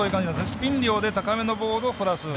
スピン量で高めのボールを振らす。